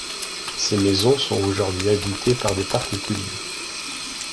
Ces maisons sont aujourd'hui habitées par des particuliers.